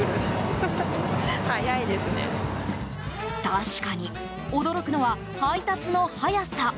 確かに驚くのは配達の早さ。